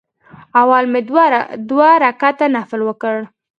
اول مې دوه رکعته نفل وکړ.